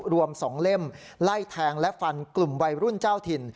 รวม๒เล่มไล่แทงและฟันกลุ่มวัยรุ่นเจ้าถิ่น